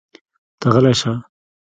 ته غلی شه!